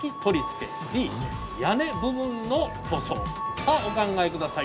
さあお考え下さい。